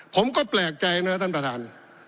ผมก็แปลกใจเนาะตัวประทาน